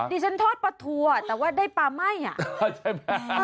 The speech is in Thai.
ดิฉันทอดปลาทัวร์แต่ว่าได้ปลาไหม้